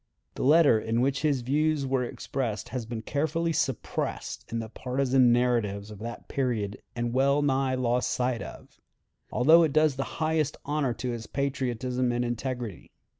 The letter in which his views were expressed has been carefully suppressed in the partisan narratives of that period and wellnigh lost sight of, although it does the highest honor to his patriotism and integrity.